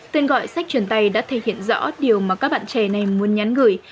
tên gọi sách truyền tay đã thể hiện rõ điều mà các bạn trẻ này muốn nhắn gửi